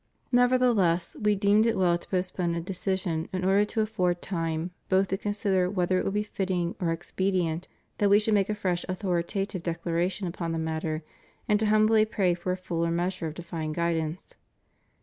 Never theless We deemed it well to postpone a decision in order to afford time, both to consider whether it would be fitting or expedient that We should make a fresh authoritative declaration upon the matter, and to himibly pray for a fuller measure of divine guidance.